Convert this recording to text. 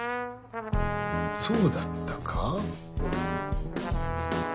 そうだったか？